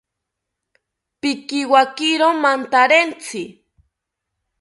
Pikiwakiro mantarentzi